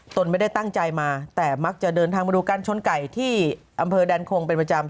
ไม่ได้ตั้งใจมาแต่มักจะเดินทางมาดูการชนไก่ที่อำเภอแดนคงเป็นประจำ